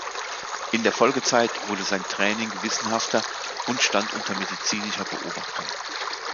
In der Folgezeit wurde sein Training gewissenhafter und stand unter medizinischer Beobachtung.